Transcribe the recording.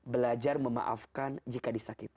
belajar memaafkan jika disakiti